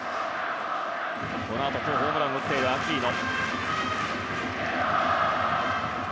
このあとは、今日、ホームランを打っているアキーノ。